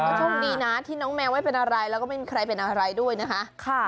ก็โชคดีนะที่น้องแมวไม่เป็นอะไรแล้วก็ไม่มีใครเป็นอะไรด้วยนะคะ